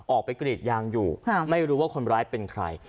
ออกไปกรีดยางอยู่ไม่รู้ว่าคนร้ายเป็นใคร